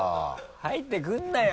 入ってくんなよ！